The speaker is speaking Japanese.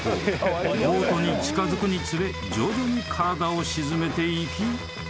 ［ボートに近づくにつれ徐々に体を沈めていき］